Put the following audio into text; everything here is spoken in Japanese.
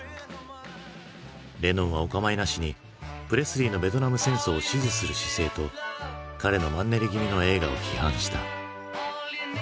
レノンはお構いなしにプレスリーのベトナム戦争を支持する姿勢と彼のマンネリ気味の映画を批判した。